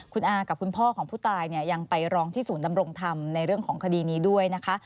คุณอากับคุณพ่อของผู้ตายเนี่ยยังไปร้องที่ศูนย์ดำรงธรรมในเรื่องของคดีนี้ด้วยนะคะ